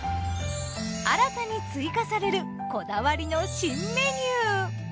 新たに追加されるこだわりの新メニュー。